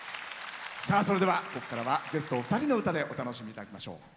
それでは、ここからはゲストお二人の歌でお楽しみいただきましょう。